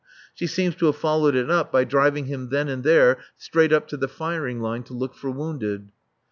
She seems to have followed it up by driving him then and there straight up to the firing line to look for wounded.